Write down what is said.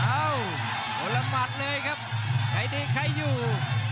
เอ้าคนละหมัดเลยครับใครดีใครอยู่